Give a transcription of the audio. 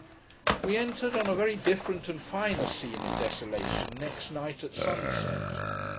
We entered on a very different, and a finer scene of desolation, next night, at sunset.